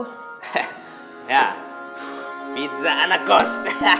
hah ya pizza anak kos